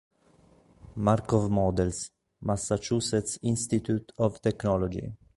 Markov Models", Massachusetts Institute of Technology.